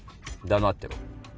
黙ってろ。